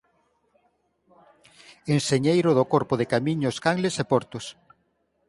Enxeñeiro do Corpo de Camiños Canles e Portos.